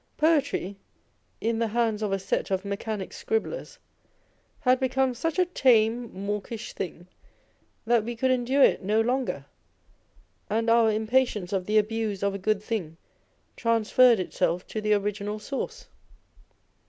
Poetry, in the hands of a set of mechanic scribblers, had become such a tame, mawkish thing, that we could endure it no longer, and our im patience of the abuse of a good thing transferred itself to the original source.